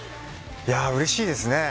うれしいですね。